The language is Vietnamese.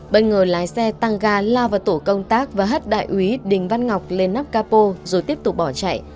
bất ngờ lái xe tăng ga lao vào tổ công tác và hất đại úy đình văn ngọc lên nắp capo rồi tiếp tục bỏ chạy